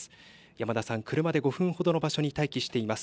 山田さん、車で５分ほどの場所で待機しています。